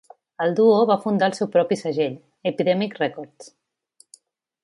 El duo va fundar el seu propi segell, Epidemic Records.